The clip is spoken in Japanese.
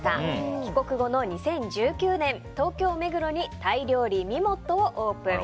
帰国後の２０１９年東京・目黒にタイ料理みもっとをオープン。